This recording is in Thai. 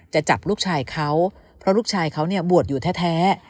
จะจับลูกชายเขาเพราะลูกชายเขาเนี่ยบวชอยู่แท้